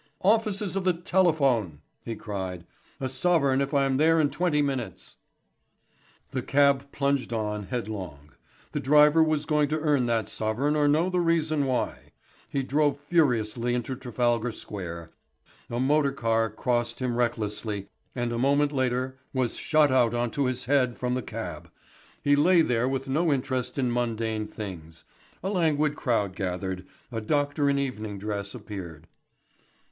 "Offices of the Telephone," he cried. "A sovereign if I'm there in twenty minutes." The cab plunged on headlong. The driver was going to earn that sovereign or know the reason why. He drove furiously into Trafalgar Square, a motor car crossed him recklessly, and a moment later Darbyshire was shot out on to his head from the cab. He lay there with no interest in mundane things. A languid crowd gathered, a doctor in evening dress appeared.